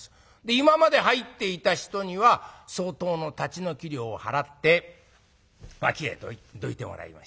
今まで入っていた人には相当の立ち退き料を払って脇へどいてもらいまして。